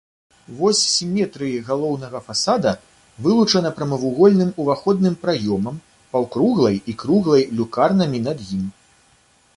Вось сіметрыі галоўнага фасада вылучана прамавугольным уваходным праёмам, паўкруглай і круглай люкарнамі над ім.